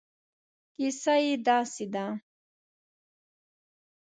کیسه یې داسې ده.